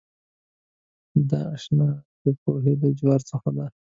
دا آشنایۍ د پوهې له چارو څخه ده.